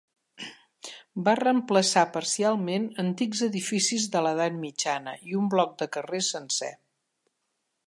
Va reemplaçar, parcialment, antics edificis de l'edat mitjana i un bloc de carrers sencer.